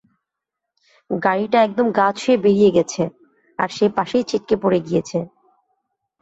গাড়িটা একদম গা ছুয়ে বেড়িয়ে গেছে, আর সে পাশেই ছিটকে পড়ে গিয়েছে।